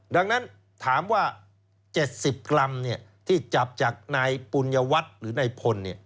ดังนั้นถามว่า๗๐กรัมที่จับจากนายปุญญวัตรหรือนายพล